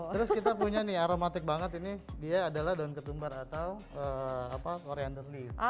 terus kita punya nih aromatik banget ini dia adalah daun ketumbar atau korender lead